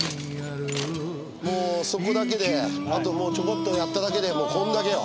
もうそこだけであともうちょこっとやっただけでもうこんだけよ。